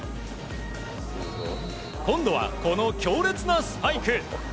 今度はこの強烈なスパイク！